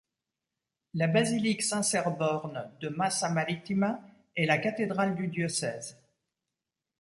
La basilique Saint-Cerborne de Massa Marittima est la cathédrale du diocèse.